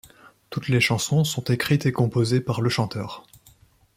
Toutes les chansons sont écrites et composées par le chanteur.